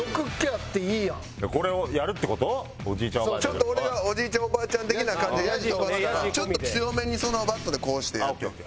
ちょっと俺がおじいちゃんおばあちゃん的な感じで野次飛ばすからちょっと強めにそのバットでこうしてやって。